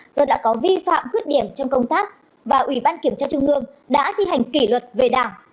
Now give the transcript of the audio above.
do đã có vi phạm khuyết điểm trong công tác và ubnd đã thi hành kỷ luật về đảng